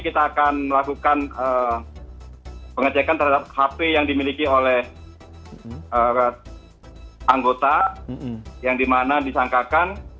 kita akan melakukan pengecekan terhadap hp yang dimiliki oleh anggota yang dimana disangkakan